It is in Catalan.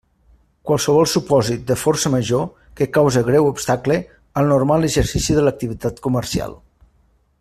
Qualsevol supòsit de força major que cause greu obstacle al normal exercici de l'activitat comercial.